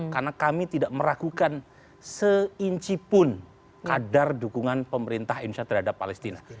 karena kami tidak meragukan seinci pun kadar dukungan pemerintah indonesia terhadap palestina